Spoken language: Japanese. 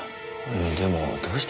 でもどうして？